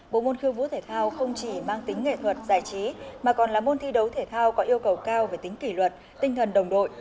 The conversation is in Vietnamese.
bộ môn khiêu vũ thể thao không chỉ mang tính nghệ thuật giải trí mà còn là môn thi đấu thể thao có yêu cầu cao về tính kỷ luật tinh thần đồng đội